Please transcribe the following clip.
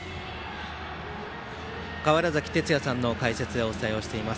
川原崎哲也さんの解説でお伝えをしています。